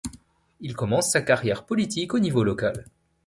Il commence sa carrière politique au niveau local.